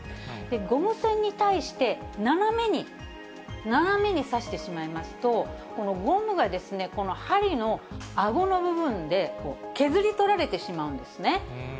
ゴム栓に対して斜めに刺してしまいますと、このゴムが、この針のあごの部分で削り取られてしまうんですね。